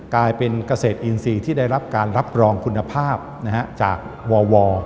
กลายเป็นเกษตรอินทรีย์ที่ได้รับการรับรองคุณภาพจากว